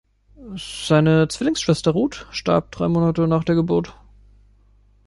Seine Zwillingsschwester Ruth starb drei Monate nach der Geburt.